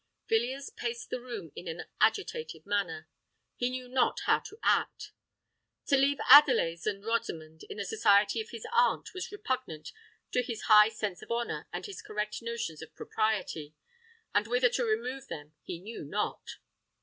Villiers paced the room in an agitated manner. He knew not how to act. To leave Adelais and Rosamond in the society of his aunt was repugnant to his high sense of honour and his correct notions of propriety; and whither to remove them he knew not.